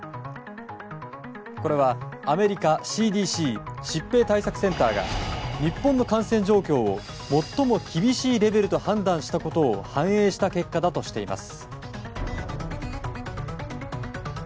これは、アメリカＣＤＣ・疾病対策センターが日本の感染状況を最も厳しいレベルと判断したことを反映した結果だとしています。